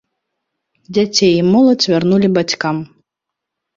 Дзяцей і моладзь вярнулі бацькам.